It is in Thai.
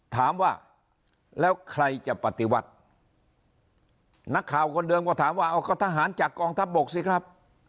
ถามว่าแล้วใครจะปฏิวัตินักข่าวคนเดิมก็ถามว่าเอาก็ทหารจากกองทัพบกสิครับ